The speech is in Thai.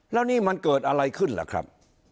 แล้วนี่มันเกิดอะไรขึ้นล่ะครับ